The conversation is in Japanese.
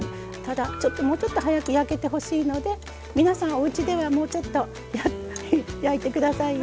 もうちょっと早く焼けてほしいので皆さん、おうちではもうちょっと焼いてくださいよ。